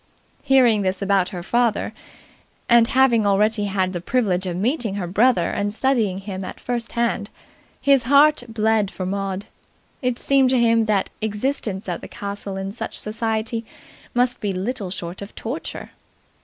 Hearing this about her father, and having already had the privilege of meeting her brother and studying him at first hand, his heart bled for Maud. It seemed to him that existence at the castle in such society must be little short of torture.